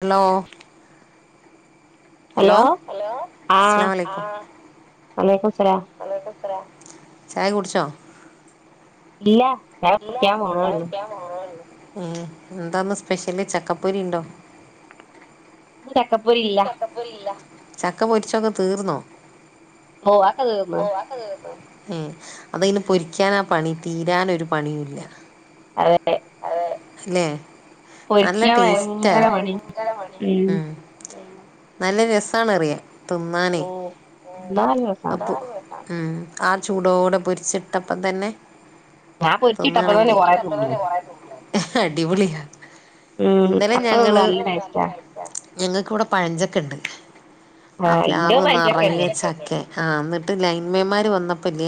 Hello hello അസ്‌ലം അലൈക്കും വാലേക്കും അസ്‌ലം ചായ കുടിച്ചോ ഇല്ല ഇല്ല ചായ കുടിക്കാൻ പോകുവാന് ഉ എന്താന്ന് സ്പെഷ്യല് ചക്കപ്പൊരി ഉണ്ടോ ചക്കപ്പൊരി ഇല്ല ചക്ക പൊരിച്ചൊക്കെ തീർന്നോ ഓ ആതൊക്കെ തീർന്ന് ഏ ഇന്ന് പൊരിക്കാൻ ആ പണി തീരാനൊരു പണിയുമല്ല അതെ അല്ലെ പൊരിക്കാൻ ഭയങ്കര പണി നല്ല രസണ അറിയാ ഓ നല് രസാണ് ഉം ആ ചൂടോടെ പൊരിച്ചിട്ടപ്പം തന്നെ ഒൊന്നണ അടിപൊളി ആ ഉം അപ്പൊന്നന്ന് നല്ല ടേസ്റ്റാ ഞങ്ങൾക്ക ഇവിടെ പഴഞ്ചൊക്കെ ഉണ്ട് ആ പ്ലാവ് നിറങ്ങ ചക്കെ ആ എന്നിട്ട് ലൈൻമ്മന്മ്മാര് വന്നപ്പോ ഇല്ല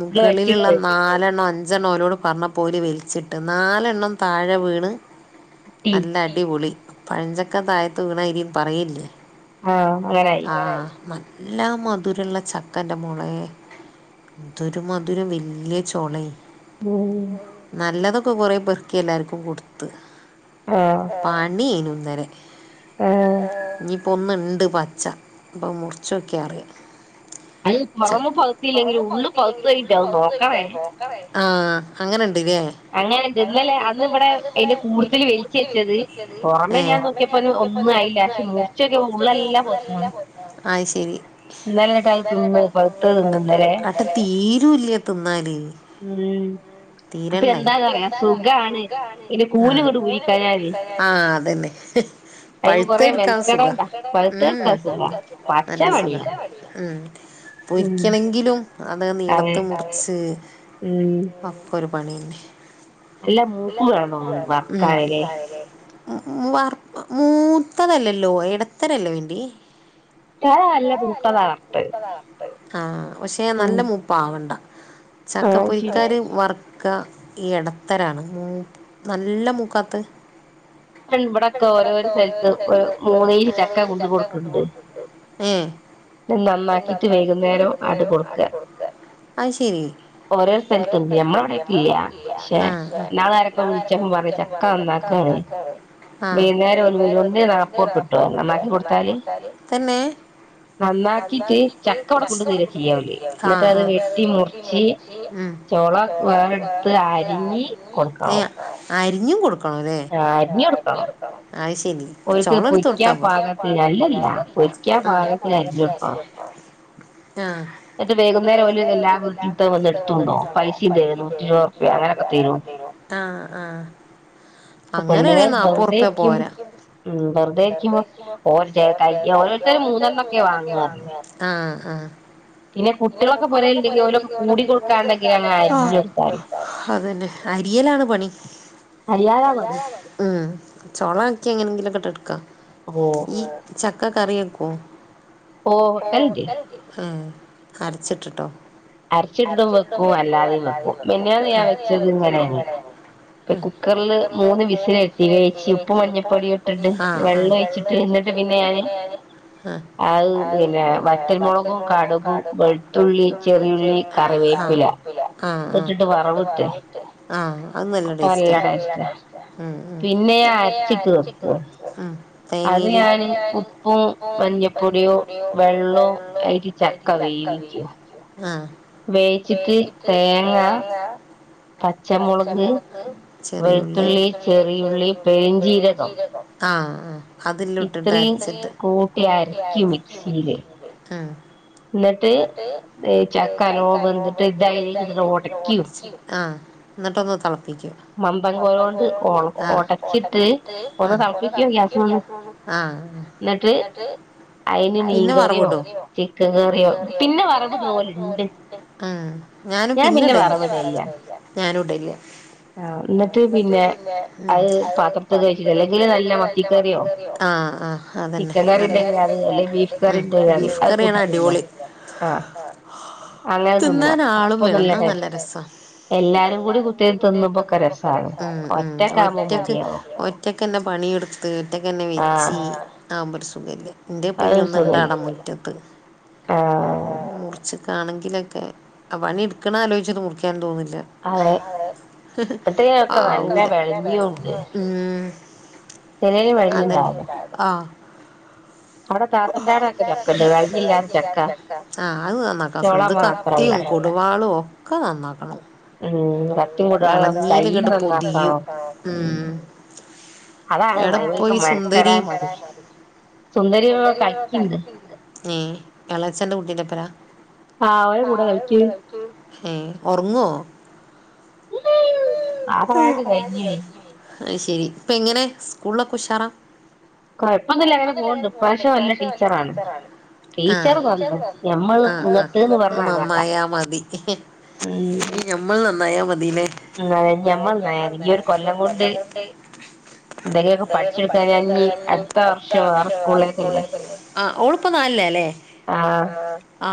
മുകളിലുള്ള നാലെണ്ണം അഞ്ച്- അഞ്ചെണ്ണം ഓരോട് പറഞ്ഞപ്പോ ഓര് വലിച്ചിട്ട് നാലെണ്ണം താഴെ വീണ് നല്ല അടിപൊളി പഴഞ്ചക്ക [unintelligible] ത്തുവീണാ യിരി പറയില്ലേ ആഹ് നല്ല മധുരള്ള ചക്കയെൻ്റെ മോളെ എന്തൊരു മധുരം വല്ല്യ ചോളയെ ഉം പ്പൊകുറെ പെറ്ക്കി എല്ലാർക്കും കൊടുത്ത് പണിനും നേനെ ഇനിപ്പോ ഒന്നിണ്ട് - ണ്ട് പച്ച ഇപ്പം മുറിച്ചുനോക്കിയാ അറിയാ അത് [unintelligible] ഇല്ലെങ്കിലും ഉള്ള് പഴുതുപോയിട്ടുണ്ടാവും നോക്കണേ ആ അങ്ങനെണ്ട് അങ്ങനെണ്ട് ഇന്നല്ലെ അന്ന് ഇവിടെ അതിന്റെ കൂടുതല് [unintelligible] വെച്ചത് പുറമെ ഞാൻ നോക്കിയപ്പോ ഒരു ഒന്ന് [unintelligible] ആഹ് ശെരി [inaudible] അട്ടെ തീരുല്ല തിന്നാല് തീരണ്ടേ [unintelligible] ആ ആ അതന്നെ അയ്മെ കൊറേ മെനക്കെടെണ്ടേ പഴുത്തത് എടുക്കാൻ സുഖവാ പച്ച പണിയാ ഉം പൊരിക്കണെങ്കിലും ആന്നാന്ന് നീളത്ത് മുറിച്ച് ഉം ഒരു പണ്യന്നെ നല്ല മൂപ്പ് വേണം തോന്ന്ണ്ട് വറക്കാൻ ലേ ഉം ഉം വറ മൂത്തതല്ലല്ലോ ഇടത്തരവലേ വേണ്ടിയെ [unintelligible] ആ പക്ഷേ നല്ല മൂപ്പാവണ്ട ചക്കപ്പൊരിക്കാര് വർ- ക്ക ഈ എടത്തരാണ് മൂ നല്ല മൂക്കാത്തത് പൺ വിടക്ക വ [inaudible] ഓരോര സ്ഥലത്ത് കളൽ ചക്ക കുണ്ട് കൊടുത്തിട്ണ്ട് നന്നാക്കിട്ട് വൈകുന്നേരം ആടു കൊടുക്ക ആ ശരി ഓരോ സ്ഥലത്ത ഞമ്മള അവിടെൊക്കെ ഇല്ല പക്ഷെ എന്നാൾരൊക്കെ വിളിച്ച പറഞ്ഞ ചക്ക നന്നാക്കാണ് വൈുന്നേര വൈകേരംപ്പ കട്ട നട്ടാ [inaudible] ല് നാക്കട്ട് ഇച്ചി ചോള വേറെ എടുത്ത് അരിഞ്ഞ് കൊടുക്കാവ ഇഞ്ഞും കൊടുക്കും [unintelligible] ആ അരിഞ്ഞു കൊടുക്കണം അത് ശരി ചോള എടുത്ത് കൊടുത്ത പോര ആ ആ ആ അങ്ങനെയണങ്കി നാപ്പതുറു ക്കുംവെറുതെ ഇരിക്കുമ്പോ ഓ ക ഓരോത്തും മൂന്നെണ്ണക്കെ വാങ്ങേ ആ ആ പിന്നെ കുട്ടികളൊക്കെ പോരെണ്ടെങ്കി ഓര കൂടി കൊടുക്കാടനൊക്കെ അരിയലാണ് പണി ഉം ചോള ആക്കി എങ്ങനെങ്കിലൊക്കെട്ട എടുക്കാ ഈ ച ക്ക കറിയെക്കോ ഓറി വയ്ക്കും അരച്ചിട്ടിട്ടോ അരച്ചിട്ടിടും വെക്കും അല്ലാതെയും വെക്കും മെനന്ന് ഞാൻ വെച്ചത് ഇങ്ങനെയാണ് ഇപ്പ കുക്കറില് മൂന്ന് വിസില എത്തി വേ ഉപ്പ മഞ്ഞപ്പൊട വെള്ളം ഒഴച്ചിട്ട് എന്നിട്ട് പിന്നെ ഞാന് പിന്നെ വറ്റൽമുളകും കടുകും വെളു ആ ആ ആ ആ അത് നല്ല ടേസ്റ്റ പിന്നെ ഞാൻ അരച്ചിട്ട് വക്ക അത് ഞാനും ഉപ്പും മഞ്ഞപ്പൊടിയോ വെള്ളവും അതിലിട്ട് ചക്ക വേവിക്കും വേവിച്ചിട്ട് തേങ്ങ പച്ചളക് വെളുത്തുള്ളി ചെറിയുള്ളി പരിഞ്ചീരകം ആ ആ അതില ഇട്ടിട്ട അരിച്ചിട്ട് ഉ എന്നിട്ട് ചക്കല്ലോ വന്തിട്ട് ഓട്ക്കും ഒടച്ചിട്ട് ഒന്ന് തളപികും ഗ്യാസ്സ് മന്ന് ന്നട്ട് [unintelligible] [inaudible] ഞാനും പിന്ന ടേല്ല്യയ ഞാനുംഇടേല്ല്യയ ആ അ അതന്നെ നല്ല ബീഫ് കറി ആണ് തിന്ന്അ അങ്ങനെ തിന്ന അപ്പൊ നല്ല ടേസ്റ്റ് എല്ലാരും കൂടി കുത്തിര്ന്ന് തിന്നുമ്പൊക്കെ രസാണ് ഒറ്റക്കാവ് ഒറ്റക്ക് ഒറ്റക് ക്കെന്നെ പണിയെട്ത് വീട്ട്ക്കന്നെ വെച്ച് [unintelligible] [unintelligible] ന്റെ പ്പെഞ്ഞ് ഒന്ന് ണ്ടാടെ മുറ്റത്ത് മുറിച്ചിട്ട് ആണെങ്കിലൊക്കെ അ പണി ഇട്ക്കണ ആലോയ്ചിട്ട് മുറിക്കാനും തോന്നില്ല ഹി ഹി ആവൂല ഇം അതന്നെ ആ ആ അത് ന്നന്നക്കാ സുഖ ഇത് കത്തിം കൊടുവാളും ഒക് ക്ക നന്നാക്കണം ഇം കത്തിം കൂടാതെ കയ്യും ന്നന്നാക്കണം അതാണ് മൈമൂന്ക്ക് മെനക്കടാ മടി സുന്ദരി ഇവടെ കളിക്ക്ണ്ട് ഇം എളെച്ചന്റെ കുട്ടിന്റെപ്പരാ ആ ഓല കൂട കളിക്ക് ഏ ഒർങ്ങോ [unintelligible] അയ് ശരി ഇപ്പെങ്ങനെ സ്കൂൾ ഒക്കെ ഉഷാറാ കൊഴപ്പൊന്നും ഇല്ല ഇങ്ങനെ പോണണ്ട് ഇപ്രാവശ്യം നല്ല ടീച്ചറാണ് [inaudible] ആ ആ മമ്മായ മതി ഹി ഹി ഈ ഞമ്മള് ന്നായ മതി ആ ഞമ്മള് [unintelligible] ഈ ഒരു കൊല്ലം കൊണ്ട് കൊല്ലം കൊണ്ട് ത് രെ പ്പം പട്ചെടിത്ത [unintelligible] അടുത്ത വർഷം വേറ സ്കൂൾളേക്കല്ലേ ഓള് ഇപ്പം നാൽ ലാ ലേ ആ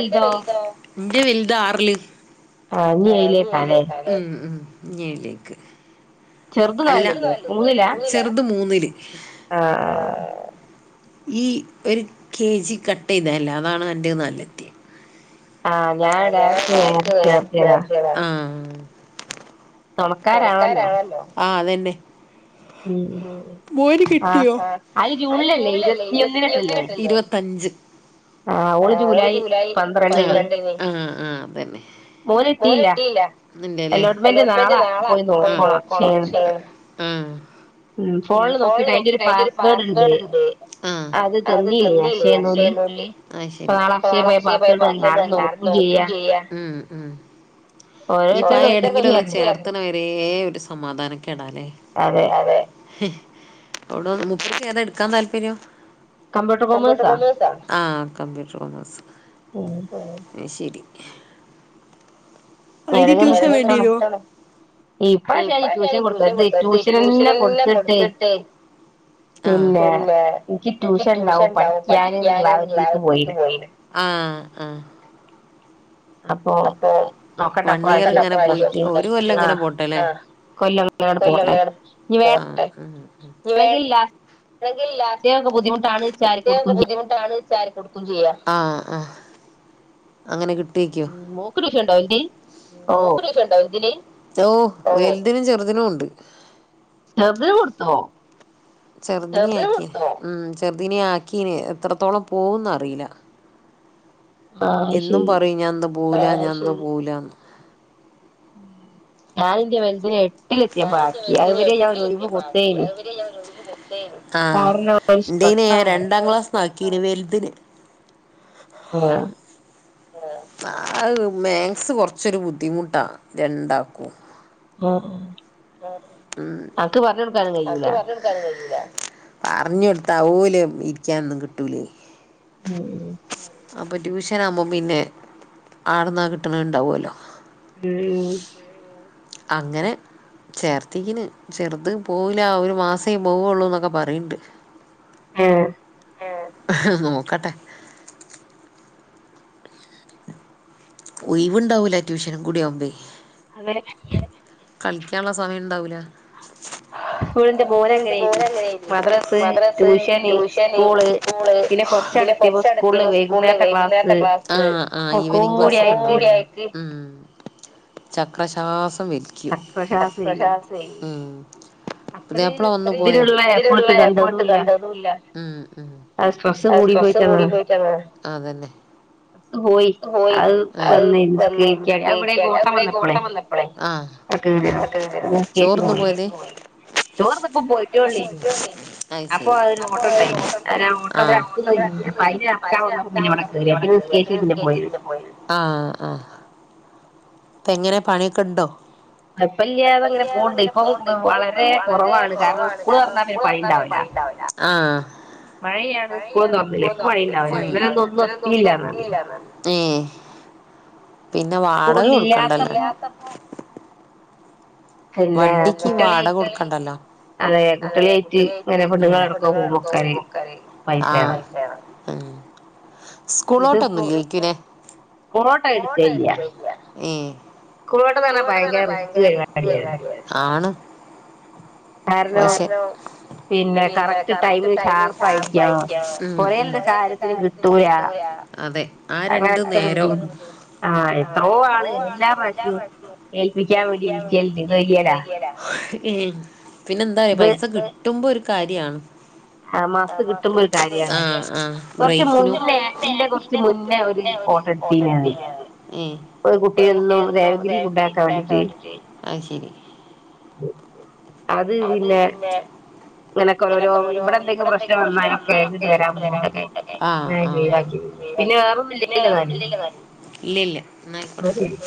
ഇന്റെ വെല്തോ ന്റെ വെല്ത് ആർല് ആ ഇനി എഴിലേക്കല്ലേ ഇഞ്ഞേഴിലേക്ക് അല്ല ചെർത് മൂന്നില് ആ ഈ ഒര് കെ ജി കട്ട് എയ്തെല്ലെ അതാണ് അന്റെ ന്നാൽലത്തീ ആ ഉം ആ അതെ [unintelligible] മോന് കിട്ടിയോ ഇരുപത്തഞ്ച് ആഹ് ആഹ് ആഹ് അതന്നെ [unintelligible] ല്ലേ ഉം ആഹ് ആഹ് അത് ശെരി ഉം ഉം ഇനിപ്പ ആ എവിടുങ്കിലൊന്ന് ചേർത്തണ വരേ ഒരു സമാധാനക്കേടാലേ ഹും എവിടെ മൂപ്പർക്കേതാ എടുക്കാൻ താൽപ്പര്യം ആ കമ്പ്യൂട്ടർ ഓണേഴ്സ് അത് ശെരി അതിന് ട്യൂഷൻ വേണ്ടി വരോ ആഹ് ആഹ് ആഹ് വണ്ടികള് ഇങ്ങനെ പോയിട്ട് ഒരു കൊല്ലിങ്ങനെ പോട്ടേല്ലെ ആഹ് ആ അങ്ങനെ കിട് ട്ടേക്ക്യോ ക്ക് ട്യൂഷൻ ഉണ്ടാവലണ്ടി മോക്ക് ട്യൂഷൻ ഇണ്ടാവോ ഇതിന് ഓ വെൽതിനും ചെറുതിനും ഉണ്ട് ചെറുദിനെ ആക്കി ഉം ചെറുതിനെ ആക്കീനി എത്രത്തോളം പോവൂന്ന് അറിയില്ല എന്നും പറയും ഞാൻ എന്നാ പോവൂല ഞാൻ ഇന്ന് പോവൂലാന്ന് ഞാൻ എൻറെ വലുതിനെ ഞാനെൻറെ വലുതിനെ എട്ടിലെത്തിയപ്പോ ആക്കി അതുവരെ ഞാൻ ഒഴിവ് ആഹ് എന്റെനെ രണ്ടാം ക്ലാസ് ആക്കീന് വൽതിന് ആഹ് ആ മേക്സ് കൊറച്ചൊരു ബുദ്ധിമുട്ടാ രണ്ടാക്കും ആഹ് ആഹ് ഉം പറഞ്ഞൊടുത്ത ഓല് ഇരിക്കാനൊന്നും കിട്ടൂലേ അപ്പൊ ട്യൂഷനാവുമ്പോ പിന്നെ ആടന്നാ കിട്ടണ ഇണ്ടാവ്വല്ലോ ഉം അങ്ങനെ ചേർത്തിക്കിന് ചെറുത് പോവില്ല ഒരു മാസേ പോവുള്ളൂ ന്നൊക്കെ പറയിണ്ട് ഏ നോക്കട്ടെ ഒയിവുണ്ടാവൂല്ല ട്യൂഷനും കൂടിയാവുമ്പേ അതന്നെ കളിക്കാനുള്ള സമയണ്ടാവൂല. സ്കൂളന്റെ ഭൂമ എങ്ങനെയായിരുന്നു മദ്രസ് ട്യൂഷന് സ്കൂള് പിന്നെ കൊറച്ചടത്തി സ്കൂള് വൈകുന്നേരത്തെ ക്ലാസ് ഒക്കെ കൂടിയായിട്ട് ഉ ചക്രശാസ് വെലിക്കും ഉം പുതിയാപ്ല വന്നു പോയോ ഇയി അതന്നെ പോയി അത് വന്ന് നിസ്കരിക്കാൻ അവിടെ കോട്ടം വന്നപ്പളെ ചോറന്ന പോയത്. ചോർത്ത് ഇപ്പ പോയിട്ടോള്ളി ഇനി അപ്പൊ അത ഒരു ഓട്ടോ ഉണ്ടായിന് അവ ഓട്ടം ഇവിടെ അടുക്ക അപ്പ അന് അക്കാ വന്നപ്പോ പിന്നെവിടെ കറിയ പിന്നെ ആഹ് ആഹ് ഇപ്പ എങ്ങനെ പണിയൊക്കെ ഉണ്ടോ എപ്പ ഇങ്ങനെ പോണ്ട് ഇപ്പൊ വളരെ കുറവാണ് കാരണം സ്കൂൾ തൊർന്ന പണിവില്ല പണിയാണ് സ്കൂള പണില്ലണ്ടാവില്ല അന്ന ഒന്നും ഒന്നും എത്തിയില്ല പിന്നെ വാടക കൊടുക്കണ്ടല്ലേ വണ്ടിക്ക് വാട കൊടുക്കണ്ടല്ലോ. അതെ കുട്ടികളറ്റ് ചില പട്ടിക നടക്ക പോക്കാര് പസ ഇതിപ്പോൊ കൊറോട്ട എടുക്കയ്യ ഏ സ്കൂൾോട്ട തന്നെ ഭയങ്കര റിസ്ക് ക ആണ് പിന്നെ കറക്റ്റ് ടൈമ്മ് ഷാർപ്പായിരിക്കണം ്യട ഏ പി നന്ദായ ഭായി സഗ കിട്ടുമ്പോ ഒരു കാര്യമാണ് ആക്ക് കെ കു മുന്നേട്ട കുട്ടിയൊന്നും ദവഗിരി കട്ടട്ട അയ് ശരി അത് പിന്നെ നക്ക് ഇവിടെ എന്തെങ്കിലും പ്രശ്നം വന്നാലും കേട്ടിട്ട് വരാൻ ബുദ്ധിമുട്ടൊക്കെ അങ്ങ ഒയിവാക്കി പിന്നെ വേറൊന്നുമല്ലല്ലോ നാ അ ശരി